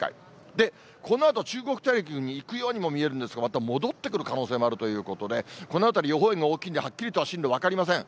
で、このあと中国大陸にも行くように見えるんですが、また戻ってくる可能性もあるということで、このあたり、予報円が大きいんで、はっきりと分かりません。